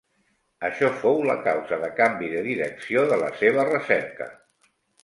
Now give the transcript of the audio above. Això fou la causa de canvi de direcció de la seva recerca.